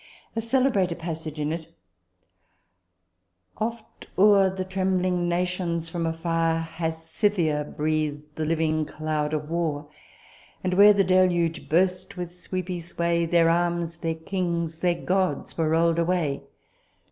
A celebrated passage in it " Oft o'er the trembling nations from afar Has Scythia breath'd the living cloud of war ; And, where the deluge burst with sweepy sway, Their arms, their kings, their gods were roll'd away.